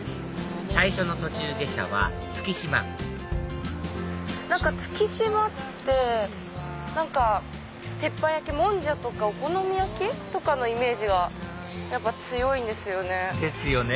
最初の途中下車は月島何か月島って鉄板焼きもんじゃとかお好み焼きとかのイメージが強いんですよね。